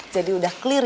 jadi udah clear ya